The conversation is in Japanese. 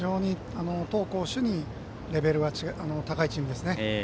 投攻守にレベルの高いチームですね。